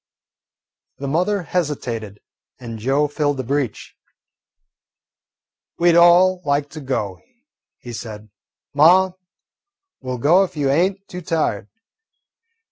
The mother hesitated, and Joe filled the breach. "We 'd all like to go," he said. "Ma, we' ll go if you ain't too tired."